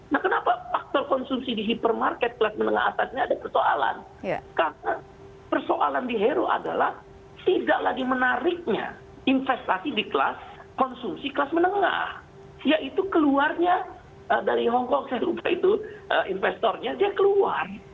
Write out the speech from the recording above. nah kenapa faktor konsumsi di hipermarket kelas menengah atas ini ada persoalan karena persoalan di hero adalah tidak lagi menariknya investasi di kelas konsumsi kelas menengah yaitu keluarnya dari hongkong serupa itu investornya dia keluar